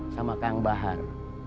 sama kang bahar